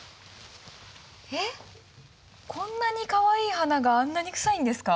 えっこんなにかわいい花があんなに臭いんですか？